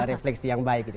refleksi yang baik gitu